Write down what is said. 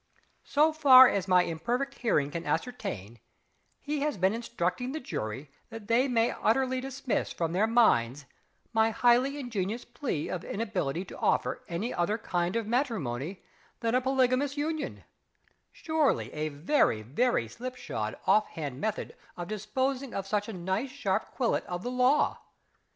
So far as my imperfect hearing can ascertain, he has been instructing the jury that they may utterly dismiss from their minds my highly ingenious plea of inability to offer any other kind of matrimony than a polygamous union surely, a very, very slipshod off hand method of disposing of such a nice sharp quillet of the Law!...